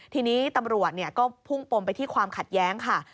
ทีนี้ตำรวจก็พุ่งปมไปที่ความขัดแย้งค่ะ